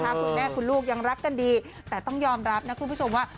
คุณแม่คุณลูกยังรักกันดีแต่ต้องยอมรับนะคุณผู้ชมว่า